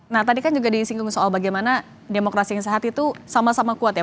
nah tadi kan juga disinggung soal bagaimana demokrasi yang sehat itu sama sama kuat ya